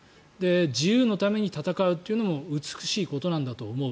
自由のために戦うというのも美しいことなんだと思う。